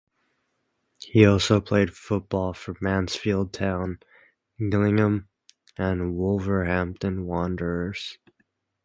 He also played football for Mansfield Town, Gillingham and Wolverhampton Wanderers.